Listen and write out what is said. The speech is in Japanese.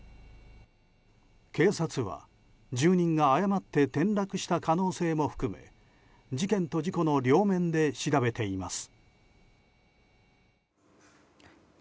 警察は、住人が誤って転落した可能性も含め事件と事故の両面で調べています。